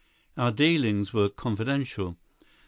Our dealings were confidential.